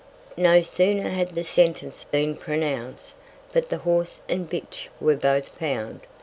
No sooner had the Sentence been pronounc'd, but the Horse and Bitch were both found.